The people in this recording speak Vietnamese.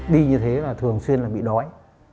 đi như thế là thường xuyên là bị đói